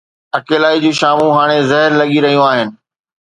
اڪيلائي جون شامون هاڻي زهر لڳي رهيون آهن.